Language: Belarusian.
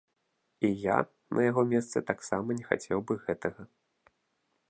І я на яго месцы таксама не хацеў бы гэтага.